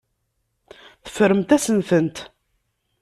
Teffremt-asen-tent.